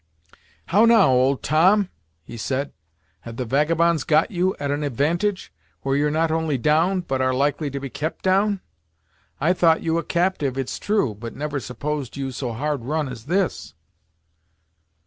"How now! old Tom," he said, "have the vagabonds got you at an advantage, where you're not only down, but are likely to be kept down! I thought you a captyve it's true, but never supposed you so hard run as this!"